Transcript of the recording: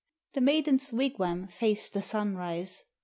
The maiden's wigwam faced the sunrise.